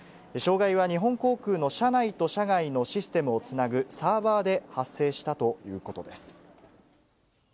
障害は日本航空の社内と社外のシステムをつなぐサーバーで発生したということです。